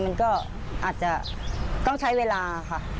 มันก็อาจจะต้องใช้เวลาค่ะ